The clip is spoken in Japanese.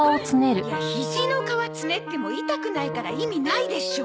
いやひじの皮つねっても痛くないから意味ないでしょ。